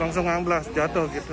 langsung amblas jatuh gitu